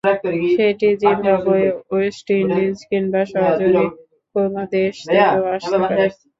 সেটি Zimbabwe, West Indies কিংবা সহযোগী কোনো দেশ থেকেও আসতে পারে।